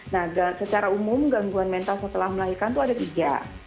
nah secara umum gangguan mental setelah melahirkan itu ada tiga